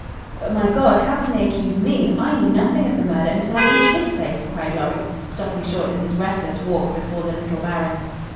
"But, my God, how can they accuse me? I knew nothing of the murder until I reached this place," cried Lorry, stopping short in his restless walk before the little Baron.